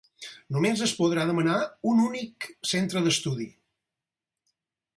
Només es podrà demanar un únic centre d'estudi.